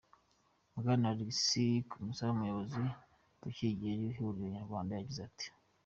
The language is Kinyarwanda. Bwana Alex Kamurase, umuyobozi ucyuye igihe w'ihuriro nyarwanda yagize ati:.